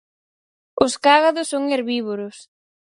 Os cágados son herbívoros.